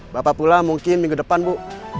bapak pula mungkin minggu depan bu